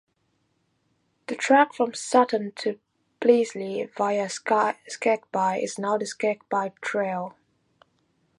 The track from Sutton to Pleasley via Skegby is now the "Skegby Trail".